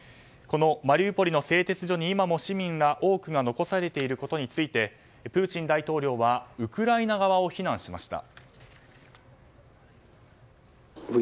マリウポリの製鉄所に今も市民が多く残されていることについてプーチン大統領はウクライナ側を非難しました。